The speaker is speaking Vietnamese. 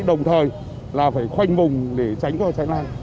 đồng thời là phải khoanh vùng để tránh cho cháy lan